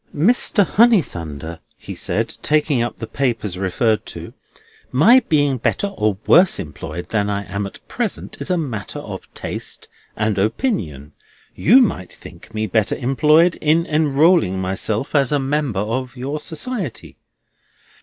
"Mr. Honeythunder," he said, taking up the papers referred to: "my being better or worse employed than I am at present is a matter of taste and opinion. You might think me better employed in enrolling myself a member of your Society."